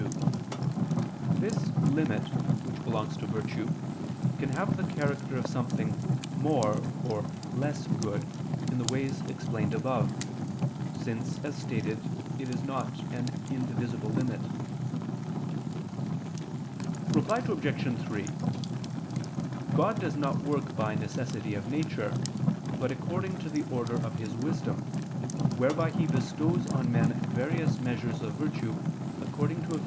2: This "limit" which belongs to virtue, can have the character of something more or less good, in the ways explained above: since, as stated, it is not an indivisible limit. Reply Obj. 3: God does not work by necessity of nature, but according to the order of His wisdom, whereby He bestows on men various measures of virtue, according to Eph.